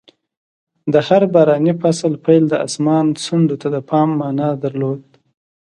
د هر باراني فصل پیل د اسمان ځنډو ته د پام مانا درلود.